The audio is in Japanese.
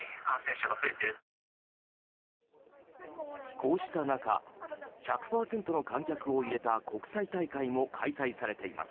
こうした中１００％の観客を入れた国際大会も開催されています。